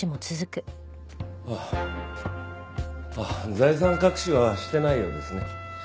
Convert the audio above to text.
財産隠しはしてないようですね。